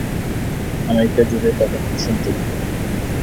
America জুড়ে তখন ভীষণ যুদ্ধ।